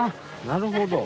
なるほど。